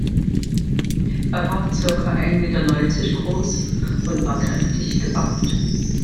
Er war circa ein Meter neunzig groß und war kräftig gebaut.